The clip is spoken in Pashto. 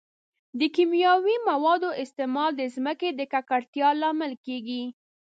د کیمیاوي موادو استعمال د ځمکې د ککړتیا لامل کیږي.